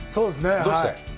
どうして？